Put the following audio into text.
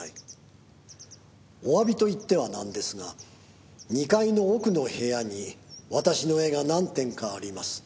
「おわびと言ってはなんですが２階の奥の部屋に私の絵が何点かあります」